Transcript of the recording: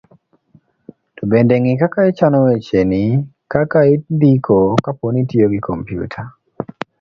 to bende ng'i kaka ichano wecheni, kaka indiko kapo ni itiyo gi kompyuta